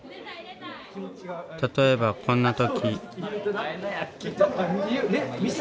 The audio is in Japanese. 例えばこんな時。